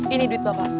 ini duit bapak